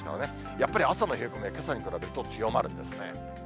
やっぱり朝の冷え込みはけさに比べると強まるんですね。